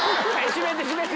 閉めて閉めて！